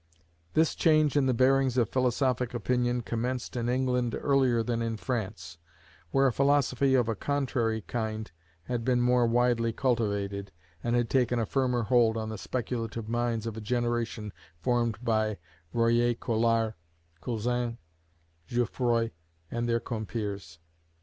This change in the bearings of philosophic opinion commenced in England earlier than in France, where a philosophy of a contrary kind had been more widely cultivated, and had taken a firmer hold on the speculative minds of a generation formed by Royer Collard, Cousin, Jouffroy, and their compeers.